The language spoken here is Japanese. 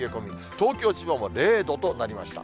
東京、千葉も０度となりました。